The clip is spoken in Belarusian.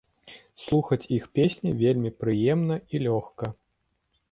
Слухаць іх песні вельмі прыемна і лёгка.